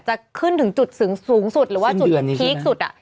จะขึ้นถึงจุดสูงสุดหรือว่าจุดพีคสุด